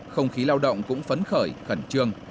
không khí lao động cũng phấn khởi khẩn trương